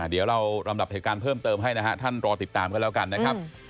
เดี๋ยวเราลำดับเหตุการณ์เพิ่มเติมให้นะฮะท่านรอติดตามกันแล้วกันนะครับ